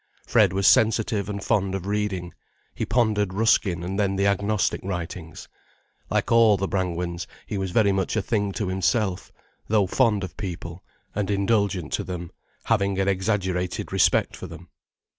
Fred was sensitive and fond of reading, he pondered Ruskin and then the Agnostic writings. Like all the Brangwens, he was very much a thing to himself, though fond of people, and indulgent to them, having an exaggerated respect for them.